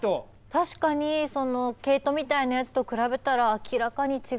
確かに毛糸みたいなやつと比べたら明らかに違いますもんね。